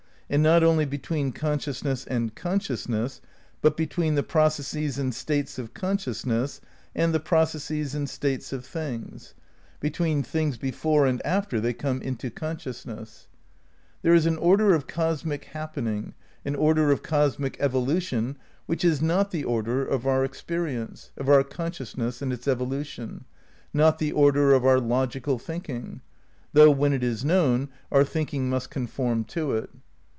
And not only between consciousness and consciousness, but between the processes and states of consciousness and the processes and states of things. Between things uess XII RECONSTRUCTION OF IDEALISM 313 before and after they "come into" consciousness. There is an order of cosmic happening, an order of oos mio evolution, which is not the order of our experience, of our consciousness and its evolution ; not the order of our logical thinking, though when it is known our think ing must conform to it.